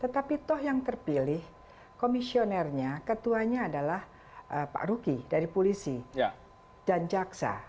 tetapi toh yang terpilih komisionernya ketuanya adalah pak ruki dari polisi dan jaksa